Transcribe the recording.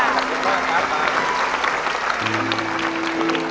ขอบคุณครับ